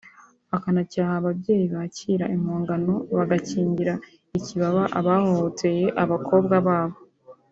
akanacyaha ababyeyi bakira impongano bagakingira ikibaba abahohoteye abakobwa babo